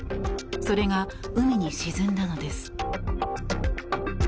それが海に沈んだのです。